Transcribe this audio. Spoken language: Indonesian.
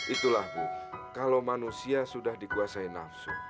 itulah bu kalau manusia sudah dikuasai nafsu